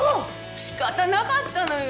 仕方なかったのよ。